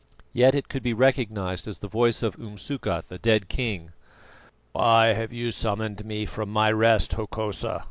Yet it could be recognised as the voice of Umsuka the dead king. "Why have you summoned me from my rest, Hokosa?"